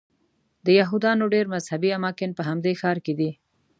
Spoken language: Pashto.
د یهودانو ډېر مذهبي اماکن په همدې ښار کې دي.